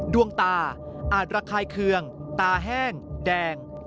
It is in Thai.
ดวงตาอาจระคายเคืองตาแห้งแดง